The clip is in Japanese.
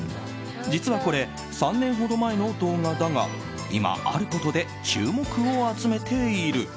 実はこれ、３年ほど前の動画だが今、あることで注目を集めている。